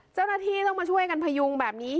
เจ้าหน้าที่ต้องมาช่วยกันพยุงแบบนี้